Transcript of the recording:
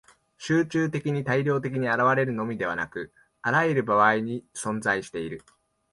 集中的に大量的に現れるのみでなく、あらゆる場合に存在している。